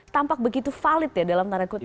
tampak begitu valid ya dalam narakutnya